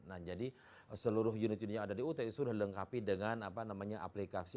nah jadi seluruh unit unit yang ada di ut sudah dilengkapi dengan aplikasi